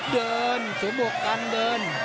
เดินสมบัวฝังเดิน